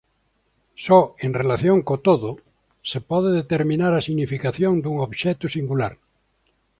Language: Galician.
Só en relación co todo se pode determinar a significación dun obxecto singular.